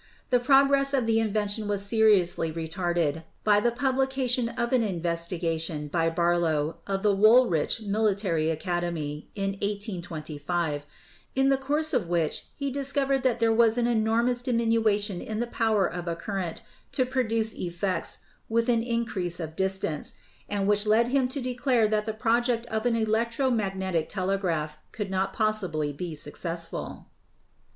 The progress of the invention was seriously retarded by the publication of an inves tigation by Barlow, of the Woolwich Military Acad emy, in 1825, in the course of which he discovered that there was an enormous diminution in the power of a cur rent to produce effects with an increase of distance, and which led him to declare that the project of an electro magnetic telegraph could not possibly be successful."